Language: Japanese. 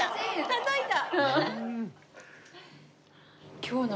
たたいた。